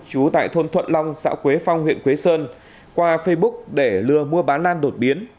chú tại thôn thuận long xã quế phong huyện quế sơn qua facebook để lừa mua bán lan đột biến